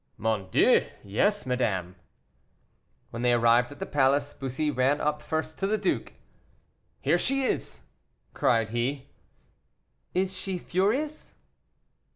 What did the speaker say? "Mon Dieu! yes, madame." When they arrived at the palace, Bussy ran up first to the duke. "Here she is!" cried he. "Is she furious?"